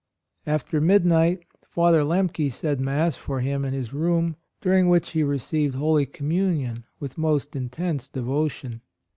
After midnight Father Lemke said Mass for him in his room, during which he received Holy Communion with most intense devotion.